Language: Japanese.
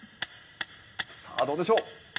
さあどうでしょう？